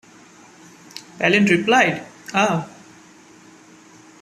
'" Palin replied "Ah!